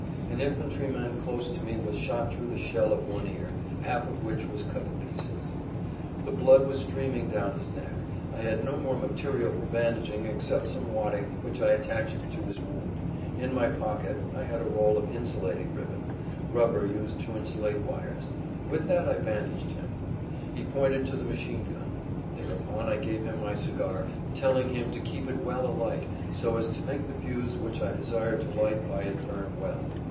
An infantryman close to me was shot through the shell of one ear, half of which was cut in pieces; the blood was streaming down his neck. I had no more material for bandaging except some wadding, which I attached to his wound. In my pocket I had a roll of insulating ribbon, rubber used to insulate wires; with that I bandaged him. He pointed to the machine gun. Thereupon I gave him my cigar, telling him to keep it well alight so as to make the fuse which I desired to light by it burn well.